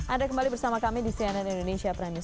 anda kembali bersama kami di cnn indonesia prime news